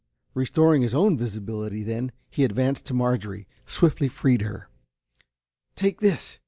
Restoring his own visibility then, he advanced to Marjorie, swiftly freed her. "Take this!"